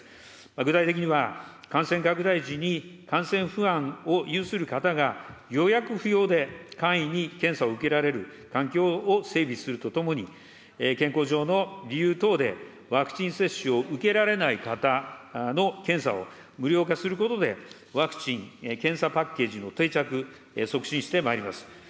具体的には、感染拡大時に感染不安を有する方が予約不要で簡易に検査を受けられる環境を整備するとともに、健康上の理由等でワクチン接種を受けられない方の検査を無料化することで、ワクチン・検査パッケージの定着、促進してまいります。